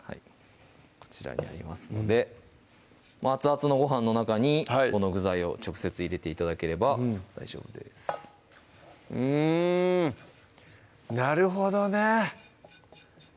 こちらになりますので熱々のご飯の中にこの具材を直接入れて頂ければ大丈夫ですうんなるほどね